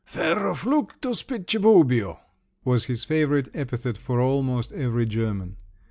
"Ferroflucto spitchebubbio" was his favourite epithet for almost every German.